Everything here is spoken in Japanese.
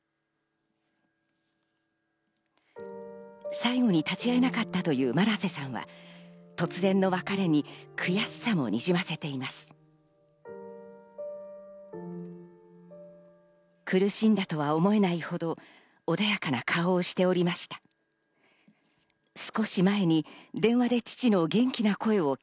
最後に立ち会えなかったという真瀬さんは突然の別れに悔しさもにじませています。